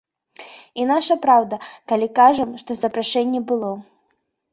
І нашая праўда, калі кажам, што запрашэнне было.